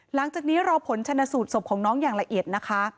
หลังจากนี้รอผลชนสูตรศพของน้องอย่างละเอียดนะคะ